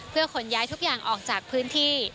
เพื่อขนย้ายทุกอย่างออกจากพื้นที่